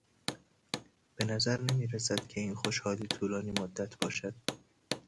بنظر نمی رسد که این خوشحالی طولانی مدت باشد.